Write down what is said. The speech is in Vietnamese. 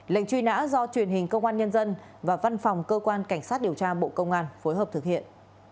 lệnh truy nã do truyền hình công an nhân dân và văn phòng cơ quan cảnh sát điều tra bộ công an phối hợp thực hiện